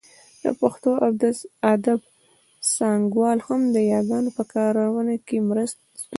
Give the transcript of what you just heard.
د پښتو ادب څانګوال هم د یاګانو په کارونه کې ستونزه لري